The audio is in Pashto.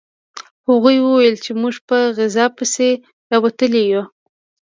هغوی وویل چې موږ په غذا پسې راوتلي یو